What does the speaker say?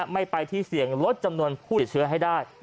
ไม่ไปที่เสี่ยงลดจำนวนผู้ติดเชื้อให้ได้